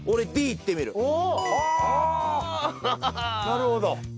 なるほど。